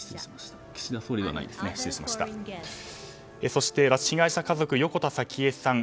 そして、拉致被害者家族横田早紀江さん